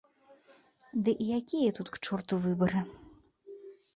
Ды і якія тут, к чорту, выбары?